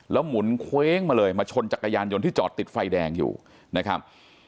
หมุนเคว้งมาเลยมาชนจักรยานยนต์ที่จอดติดไฟแดงอยู่นะครับ